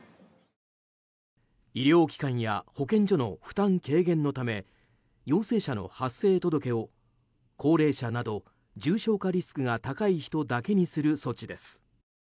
医療機関や保健所の負担軽減のため陽性者の発生届を高齢者など重症化リスクが高い人だけにする措置です。